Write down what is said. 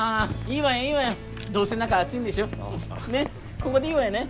ここでいいわよね？